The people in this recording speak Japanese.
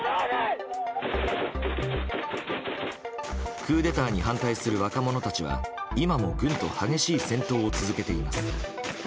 クーデターに反対する若者たちは今も軍と激しい戦闘を続けています。